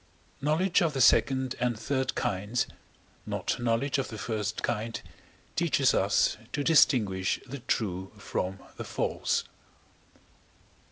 Knowledge of the second and third kinds, not knowledge of the first kind, teaches us to distinguish the true from the false.